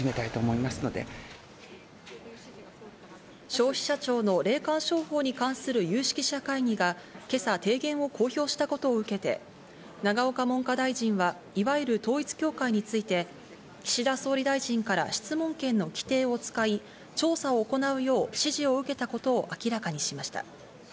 消費者庁の霊感商法に関する有識者会議が今朝、提言を公表したことを受けて、永岡文科大臣はいわゆる統一教会について、岸田総理大臣から質問権の規定を使い、調査を行うよう指示を受けたことを明らかにしました。